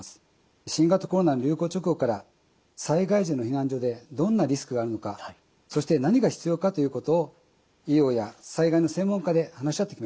新型コロナの流行直後から災害時の避難所でどんなリスクがあるのかそして何が必要かということを医療や災害の専門家で話し合ってきました。